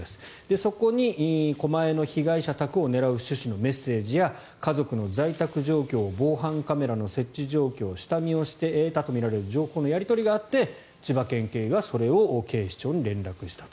そこに狛江の被害者宅を狙う趣旨のメッセージや家族の在宅状況防犯カメラの設置状況下見をして得たとみられる情報のやり取りがあって千葉県警がそれを警視庁に連絡したと。